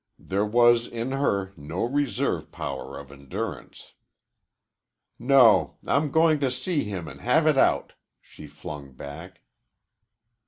There was in her no reserve power of endurance. "No, I'm going to see him and have it out," she flung back.